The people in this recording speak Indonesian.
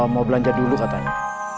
mau belanja dulu katanya